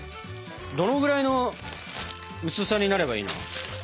どのぐらいの薄さになればいいの？